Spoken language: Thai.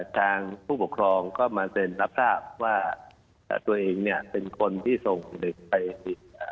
ทางผู้ปกครองก็มาเซ็นรับทราบว่าตัวเองเนี่ยเป็นคนที่ส่งเด็กไป